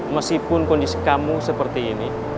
meskipun kondisi kamu seperti ini